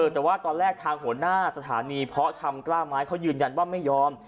แต่ว่าตอนแรกทางหัวหน้าสถานีเพาะชำกล้าไม้เขายืนยันว่าไม่ยอม